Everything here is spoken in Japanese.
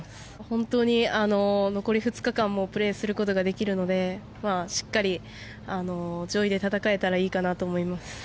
本当に残り２日間もプレーすることができるのでしっかり上位で戦えたらいいかなと思います。